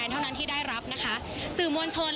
ของพระราชายารักกัน